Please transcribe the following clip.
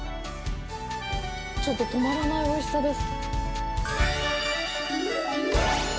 ちょっと、止まらないおいしさです。